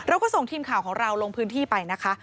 เราก็ส่งทีมข่าวของเราลงพื้นที่ไปนะคะ